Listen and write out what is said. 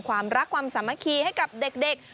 ความรักความสามัคคีให้กับเด็ก